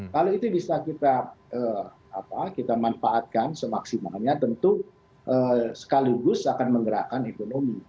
kalau itu bisa kita manfaatkan semaksimalnya tentu sekaligus akan menggerakkan ekonomi